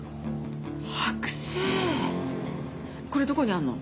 剥製これどこにあるの？